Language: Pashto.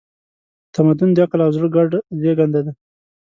تمدن د عقل او زړه ګډه زېږنده ده.